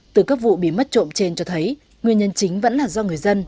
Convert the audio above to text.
từ các vụ bị mất trộm trên cho thấy nguyên nhân chính vẫn là do người dân